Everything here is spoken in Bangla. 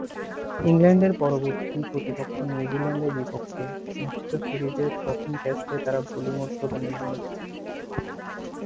ইংল্যান্ডের পরবর্তী প্রতিপক্ষ নিউজিল্যান্ডের বিপক্ষে অনুষ্ঠিত সিরিজের প্রথম টেস্টে তারা বোলিং উদ্বোধনে নামেন।